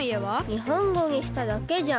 にほんごにしただけじゃん。